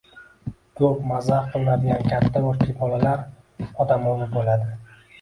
Ko‘p mazax qilinadigan katta yoshli bolalar odamovi bo'ladi.